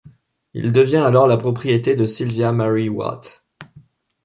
Il devient alors la propriété de Sylvia Mary Watt.